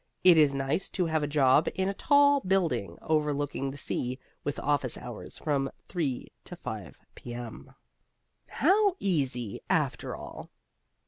It is nice to have a job in a tall building overlooking the sea, with office hours from 3 to 5 p.m. HOW EASY, AFTER ALL!